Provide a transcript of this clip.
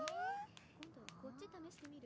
こっち試してみる？